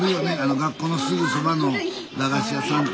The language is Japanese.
学校のすぐそばの駄菓子さんって。